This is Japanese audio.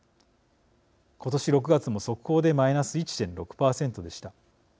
今年６月も速報でマイナス１．６％でした。